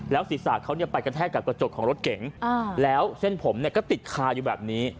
ศีรษะเขาไปกระแทกกับกระจกของรถเก๋งแล้วเส้นผมเนี่ยก็ติดคาอยู่แบบนี้